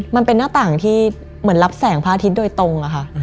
มันเป็นหน้าต่างที่เหมือนรับแสงพระอาทิตย์โดยตรงค่ะ